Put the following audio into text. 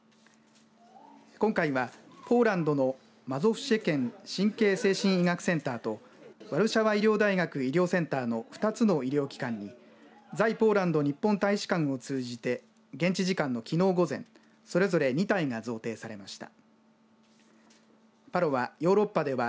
今回はポーランドのマゾフシェ県神経精神医療センター神経精神医療センターとワルシャワ医療大学医療センターの２つの医療機関に在ポーランド日本大使館を通じて現地時間のきのう午前それぞれ２対が贈呈されました。